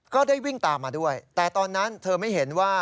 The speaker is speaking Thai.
ก็ได้วิ่งตามมาด้วยแต่ตอนนั้นเธอไม่เห็นว่า